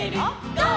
「ゴー！